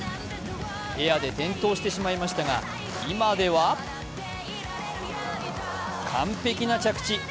エアで転倒してしまいましたが今では完璧な着地。